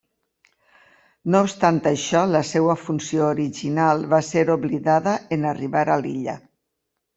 No obstant això la seva funció original va ser oblidada en arribar a l'illa.